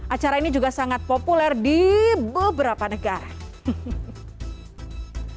acara ini juga sangat populer di beberapa negara